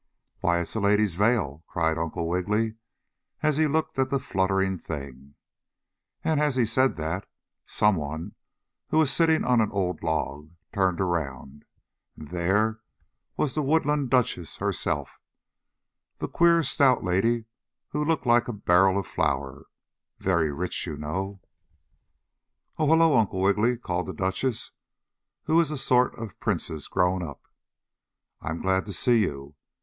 "Why, it's a lady's veil!" cried Uncle Wiggily, as he looked at the fluttering thing. And, as he said that, someone, who was sitting on an old log, turned around, and there was the Wonderland Duchess herself the queer, stout lady who looked like a barrel of flour very rich you know! "Oh, hello, Uncle Wiggily!" called the Duchess, who is a sort of princess grown up. "I'm glad to see you.